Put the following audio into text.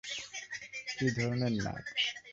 কি ধরনের নাচ?